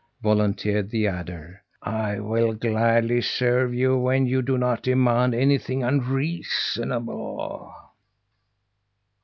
volunteered the adder. "I will gladly serve you when you do not demand anything unreasonable."